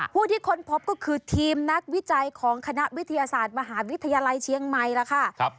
ผู้ที่ค้นพบก็คือทีมนักวิจัยของคณะวิทยาศาสตร์มหาวิทยาลัยเชียงใหม่ล่ะค่ะ